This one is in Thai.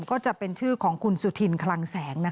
ก็จะเป็นชื่อของคุณสุธินคลังแสง